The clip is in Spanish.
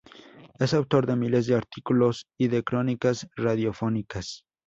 Es autor de miles de artículos y de crónicas radiofónicas.